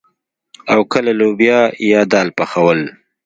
او کله لوبيا يا دال پخول.